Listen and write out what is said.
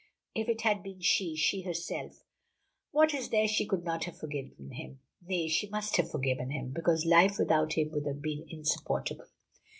if it had been she, she herself what is there she could not have forgiven him? Nay, she must have forgiven him, because life without him would have been insupportable.